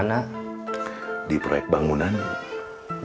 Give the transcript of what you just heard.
sampai jumpa di channel lainnya